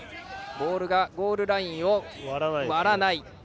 ボールがゴールラインを割らない。